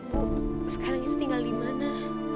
bu sekarang kita tinggal dimana